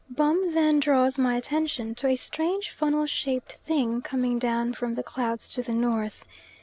Bum then draws my attention to a strange funnel shaped thing coming down from the clouds to the north.